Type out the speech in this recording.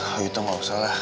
kalo gitu gak usah lah